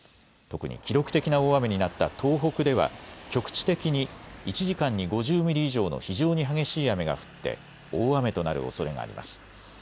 特に記録的な大雨になった東北では局地的に１時間に５０ミリ以上の非常に激しい雨が降って大雨となるおそれがあります。